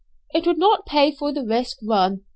It would not pay for the risk run.